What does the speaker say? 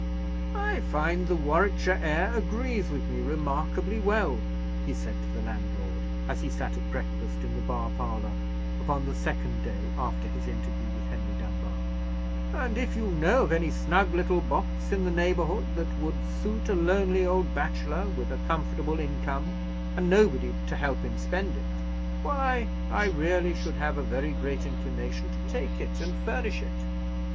"I find the Warwickshire air agree with me remarkably well," he said to the landlord, as he sat at breakfast in the bar parlour, upon the second day after his interview with Henry Dunbar; "and if you know of any snug little box in the neighbourhood that would suit a lonely old bachelor with a comfortable income, and nobody to help him spend it, why, I really should have a very great inclination to take it, and furnish it."